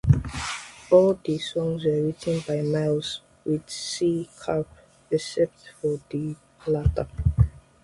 All the songs were written by Miles with C. Karp except for the latter.